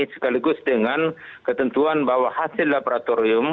sekaligus dengan ketentuan bahwa hasil laboratorium